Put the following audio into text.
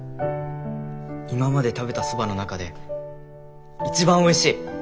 今まで食べたそばの中で一番おいしい！